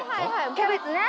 キャベツね。